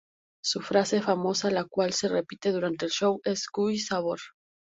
Su frase famosa la cual se repite, durante el show es Cuy, Sabor!